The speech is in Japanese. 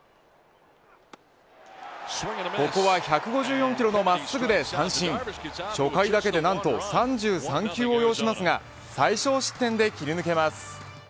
ここは１５４キロの真っすぐで三振初回だけで何と３３球を要しますが最小失点で切り抜けます。